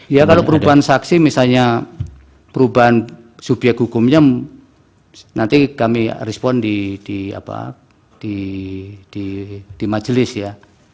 ya kalau perubahan saksi misalnya perubahan subyek hukumnya nanti kami respon di majelis ya